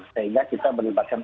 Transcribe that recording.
sehingga kita melibatkan